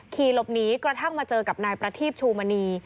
ขี่หลบหนีกระทั่งมาเจอกับนายประทีบชูมณี